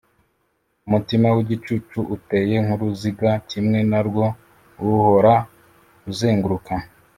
Umutima w’igicucu uteye nk’uruziga, kimwe na rwo uhora uzenguruka.